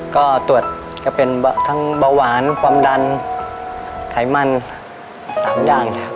ก็ตรวจก็เป็นทั้งเบาหวานความดันไขมัน๓อย่างนี้ครับ